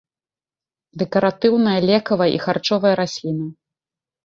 Дэкаратыўная, лекавая і харчовая расліна.